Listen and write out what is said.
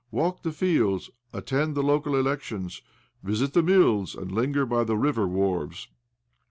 Walk the fields, attend the local elections, visit the mills, and linget by the river wharves."